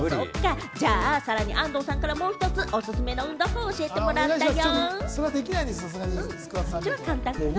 さらに安藤さんからもう１つ、おすすめの運動法を教えてもらったよ。